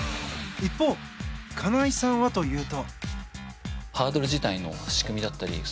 一方、金井さんはというと。